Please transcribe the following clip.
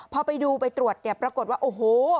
พอไปดูไปตรวจเนี่ยปรากฏว่าโอ้โห